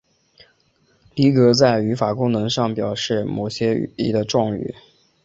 离格在语法功能上为表示某些意义的状语。